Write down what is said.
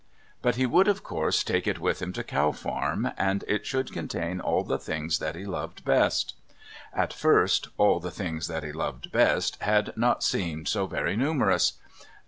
But he would, of course, take it with him to Cow Farm, and it should contain all the things that he loved best. At first "all the things that he loved best" had not seemed so very numerous.